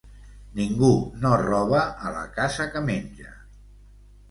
Ningú no roba a la casa que menja.